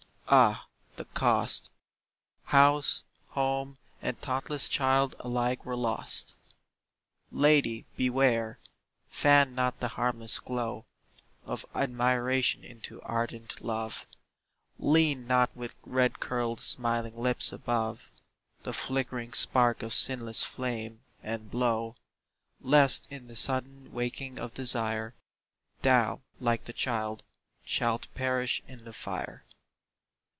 Ah, the cost! House, home, and thoughtless child alike were lost. Lady beware. Fan not the harmless glow Of admiration into ardent love, Lean not with red curled smiling lips above The flickering spark of sinless flame, and blow, Lest in the sudden waking of desire Thou, like the child, shalt perish in the fire.